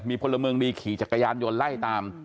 มีพลเมืองดีขี่จักรยานยนต์ไล่ตาม